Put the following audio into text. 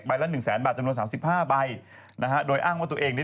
ใบละ๑๐๐๐๐๐บาทจำนวน๓๕ใบโดยอ้างว่าตัวเองเนี่ย